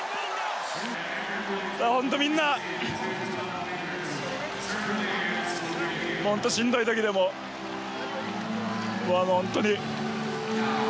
本当、みんな本当にしんどい時でも本当に。